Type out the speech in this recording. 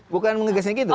bukan ngegasnya gitu